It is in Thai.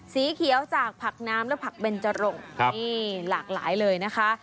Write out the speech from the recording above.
สีเขียวจากผักน้ำและผักเบนจรงนี่หลากหลายเลยนะคะ